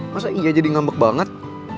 masa iya jadi ngambek banget